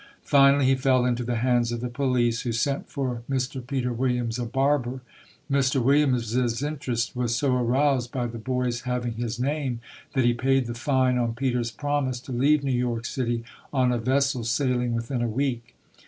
Finally, he fell into the hands of the police, who sent for Mr. Peter Williams, a barber. Mr. Williams's interest was so aroused by the boy's having his name, that he paid the fine on Peter's promise to leave New York City on a vessel sailing within a week.